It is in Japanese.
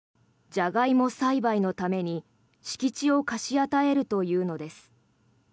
ジャガイモ栽培のために敷地を貸し与えるというのです。